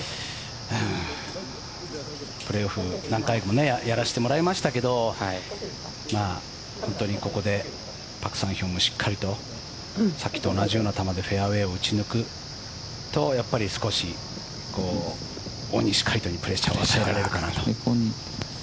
プレーオフ何回もやらしてもらいましたけど本当にここでパク・サンヒョンもしっかりとさっきと同じような球でフェアウェーを打ち抜くと少し大西魁斗にプレッシャーを与えられるかなと。